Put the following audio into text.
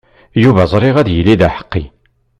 Yuba ẓriɣ ad yili d aḥeqqi.